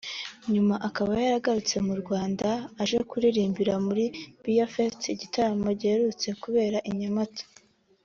nyuma akaba yaragarutse mu Rwanda aje kuririmba muri Beer Fest igitaramo giherutse kubera i Nyamata